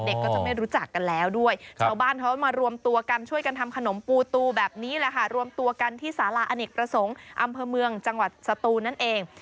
ก็จะไม่รู้จักกันแล้วด้วยชาวบ้านเขามารวมตัวกันช่วยกันทำขนมปูตูแบบนี้แหละค่ะรวมตัวกันที่สาราอเนกประสงค์อำเภอเมืองจังหวัดสตูนนั่นเอง